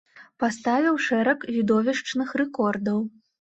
Паставіў шэраг відовішчных рэкордаў.